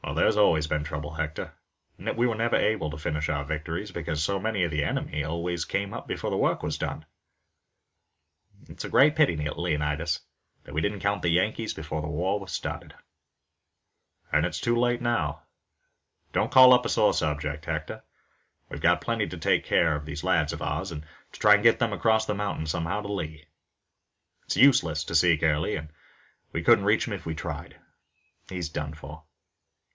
"That's always the trouble, Hector. We are never able to finish our victories, because so many of the enemy always come up before the work is done." "It's a great pity, Leonidas, that we didn't count the Yankees before the war was started." "It's too late now. Don't call up a sore subject, Hector. We've got to take care of these lads of ours, and try to get them across the mountain somehow to Lee. It's useless to seek Early and we couldn't reach him if we tried. He's done for."